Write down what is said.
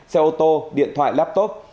xe ô tô điện thoại laptop